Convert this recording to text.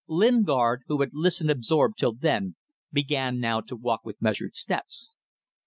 Lingard, who had listened absorbed till then, began now to walk with measured steps.